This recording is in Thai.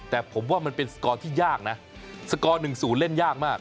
แต่ผมว่ามันเป็นสกอร์ที่ยากนะสกอร์๑๐เล่นยากมาก